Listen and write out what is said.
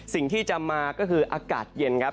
สิ่งที่จะมาก็คืออากาศเย็นครับ